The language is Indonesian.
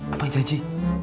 apa yang janji